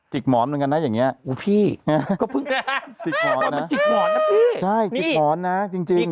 จิกหมอนเหมือนกันนะอย่างเงี้ยอุ้ยพี่ก็เพิ่งจิกหมอนนะพี่ใช่จิกหมอนนะจริงจริง